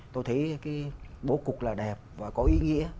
tôi thấy cái bố cục là đẹp và có ý nghĩa